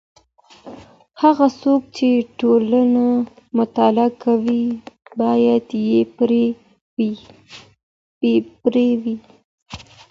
هغه څوک چي ټولنه مطالعه کوي بايد بې پرې وي.